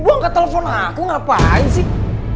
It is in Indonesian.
ibu angkat telepon aku ngapain sih